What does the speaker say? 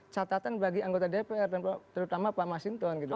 catatan bagi anggota dpr terutama pak mas hinton gitu kan